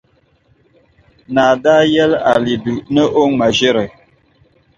Naa daa yɛli Alidu ni o ŋma ʒiri.